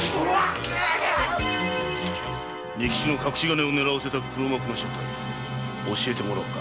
仁吉の隠し金を狙わせた黒幕の正体を教えてもらおうか。